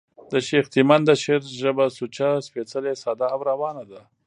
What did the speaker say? د شېخ تیمن د شعر ژبه سوچه، سپېڅلې، ساده او روانه ده.